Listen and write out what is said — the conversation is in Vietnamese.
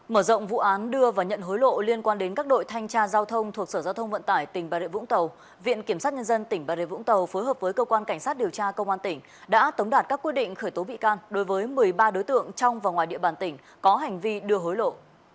mở rộng vụ án đưa và nhận hối lộ liên quan đến các đội thanh tra giao thông thuộc sở giao thông vận tải tỉnh bà rịa vũng tàu viện kiểm sát nhân dân tỉnh bà rịa vũng tàu phối hợp với cơ quan cảnh sát điều tra công an tỉnh đã tống đạt các quyết định khởi tố bị can đối với một mươi ba đối tượng trong và ngoài địa bàn tỉnh có hành vi đưa hối lộ